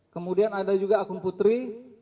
kemudian ada juga akun putri